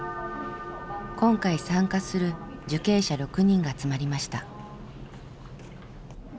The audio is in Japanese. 今回参加する受刑者６人が集まりました。